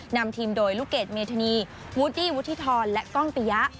นำทีมโดยลูกเกดเมธานีวูดดี้วุฒิธรและกล้องปิยะ